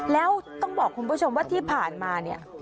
แล้วต้องบอกคุณผู้ชมว่าที่ผ่านมาเนี่ย